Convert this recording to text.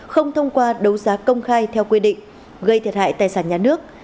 không thông qua đấu giá công khai theo quy định gây thiệt hại tài sản nhà nước